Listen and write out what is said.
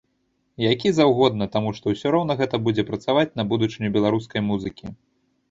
Які заўгодна, таму што ўсё роўна гэта будзе працаваць на будучыню беларускай музыкі.